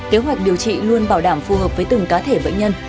kế hoạch điều trị luôn bảo đảm phù hợp với từng cá thể bệnh nhân